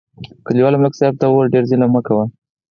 کلیوالو ملک صاحب ته وویل: ډېر ظلم مه کوه